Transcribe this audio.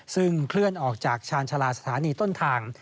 ซึ่งเคลื่อนออกจากชาญชาลาสถานีต้นทาง